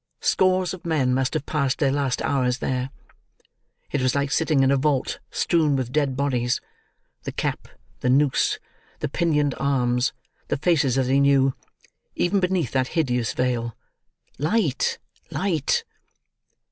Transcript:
Scores of men must have passed their last hours there. It was like sitting in a vault strewn with dead bodies—the cap, the noose, the pinioned arms, the faces that he knew, even beneath that hideous veil.—Light, light!